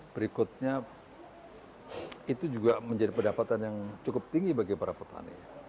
berikutnya itu juga menjadi pendapatan yang cukup tinggi bagi para petani